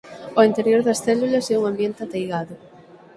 O interior das células é un ambiente ateigado.